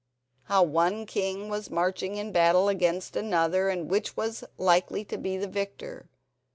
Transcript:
How one king was marching in battle against another, and which was likely to be the victor.